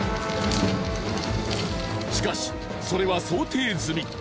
しかしそれは想定済み。